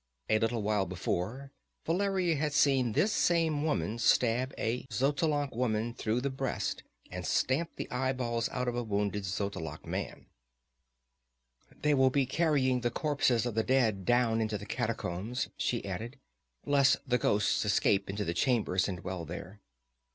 A little while before, Valeria had seen this same woman stab a Xotalanca woman through the breast and stamp the eyeballs out of a wounded Xotalanca man. "They will be carrying the corpses of the dead down into the catacombs," she added, "lest the ghosts escape into the chambers and dwell there."